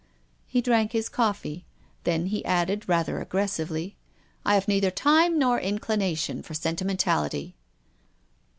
He drank his coffee. Then he added, rather aggressively :" I have neither time nor inclination for sen timentality."